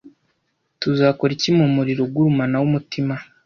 Tuzakora iki mu muriro ugurumana w'umutima,